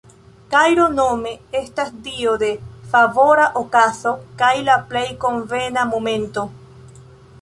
Kairo nome estas dio de "favora okazo kaj la plej konvena momento".